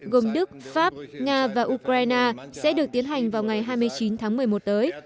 gồm đức pháp nga và ukraine sẽ được tiến hành vào ngày hai mươi chín tháng một mươi một tới